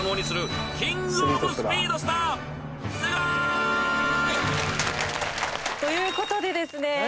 ［すごい！］ということでですね